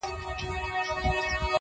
نوي نوي تختې غواړي کنې یاره ,